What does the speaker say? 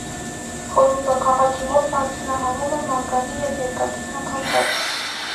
Քորումբա քաղաքի մոտ արդյունահանվում է մանգանի և երկաթի հանքաքար։